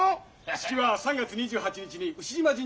式は３月２８日に牛嶋神社だそうで。